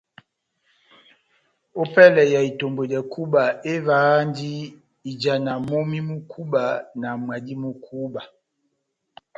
Ópɛlɛ ya itombwedɛ kúba, evahandi ijana momí mu kúba na mwadi mú kúba.